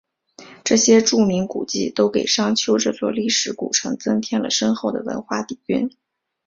这些著名古迹都给商丘这座历史古城增添了深厚的文化底蕴。